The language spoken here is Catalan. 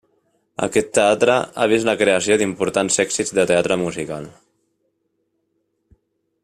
Aquest teatre ha vist la creació d'importants èxits de teatre musical.